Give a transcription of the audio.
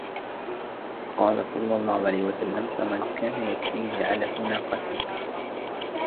فَقَالَ صَلَّى اللَّهُ عَلَيْهِ وَسَلَّمَ فَمَنْ كَانَ يَكْفِيهِ عَلَفَ نَاقَتِهِ